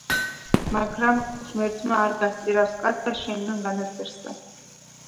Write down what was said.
მაგრა ღმერთი არ გასწირავს კაცსა, შენგან განაწირსა.